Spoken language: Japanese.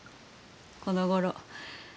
このごろ